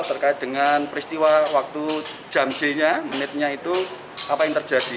terkait dengan peristiwa waktu jam j nya menitnya itu apa yang terjadi